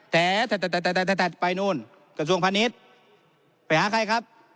แต่แต่แต่แต่แต่ไปนู่นส่วนส่วนพระนิษฐ์ไปหาใครครับ